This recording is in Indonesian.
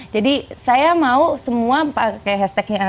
jadi saya mau semua pakai hashtagnya